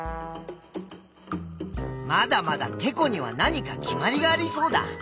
まだまだてこには何か決まりがありそうだ。